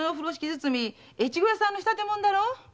包み越後屋さんの仕立て物だろう？